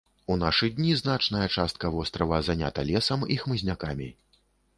У нашы дні значная частка вострава занята лесам і хмызнякамі.